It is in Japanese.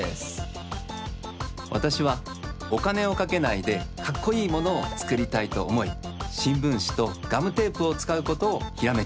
わたしはおかねをかけないでかっこいいものをつくりたいとおもいしんぶんしとガムテープをつかうことをひらめきました。